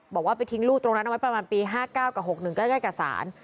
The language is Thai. บอกว่าไปทิ้งลูกตรงนั้นเอาไว้ประมาณปี๕๙กับ๖๑ใกล้กับศาล